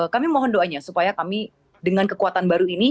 kami mohon doanya supaya kami dengan kekuatan baru ini